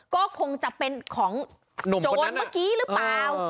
ก็คงจะเป็นของโจรเมื่อกี้หรือเปล่า